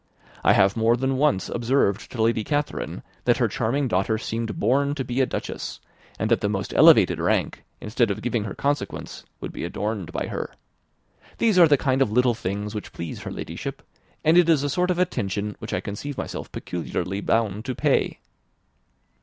I have more than once observed to Lady Catherine, that her charming daughter seemed born to be a duchess; and that the most elevated rank, instead of giving her consequence, would be adorned by her. These are the kind of little things which please her Ladyship, and it is a sort of attention which I conceive myself peculiarly bound to pay."